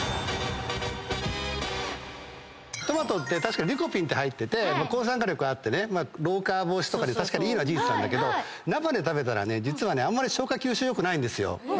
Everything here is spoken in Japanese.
トマトって確かにリコピン入ってて抗酸化力があってね老化防止とかに確かにいいのは事実なんだけど生で食べたらね実はねあんまり消化吸収良くないんですよ。